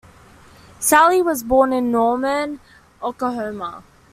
Salle was born in Norman, Oklahoma.